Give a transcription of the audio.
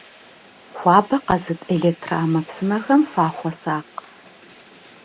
Хуабэ къэзыт электроӏэмэпсымэхэм фахуэсакъ.